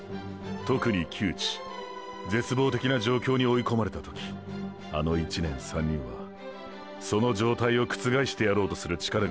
特に窮地ーー絶望的な状況に追いこまれた時あの１年３人はその状態を覆してやろうとする力が強くなる。